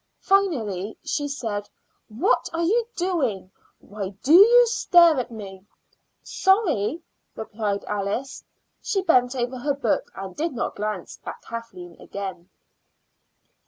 Finally she said: "What are you doing? Why do you stare at me?" "Sorry," replied Alice. She bent over her book, and did not glance again at Kathleen.